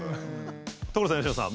所さん佳乃さん。